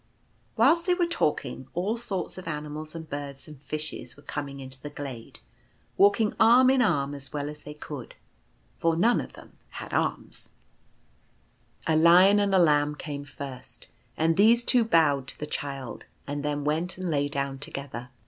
Whilst they were talking, all sorts of animals and birds and fishes were coming into the glade, walking arm in arm, as well as they could — for none of them had arms. B B 1 86 T/ie Procession of Living Things. A Lion and a Lamb came first, and these two bowed to the Child, and then went and lay down together.